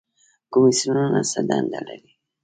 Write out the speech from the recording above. کمیسیونونه څه دنده لري؟